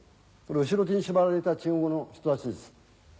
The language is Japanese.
後ろ手に縛られた中国の人たちです。